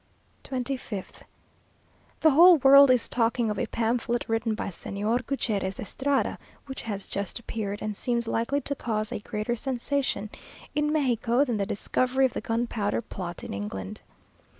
25th. The whole world is talking of a pamphlet written by Señor Gutierrez Estrada, which has just appeared, and seems likely to cause a greater sensation in Mexico than the discovery of the gunpowder plot in England.